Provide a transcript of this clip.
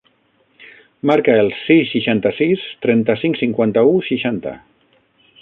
Marca el sis, seixanta-sis, trenta-cinc, cinquanta-u, seixanta.